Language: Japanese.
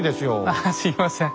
あっすいません。